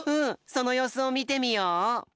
そのようすをみてみよう。